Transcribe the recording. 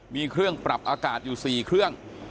มีเครื่องปรับอากาศอยู่๔เครื่อง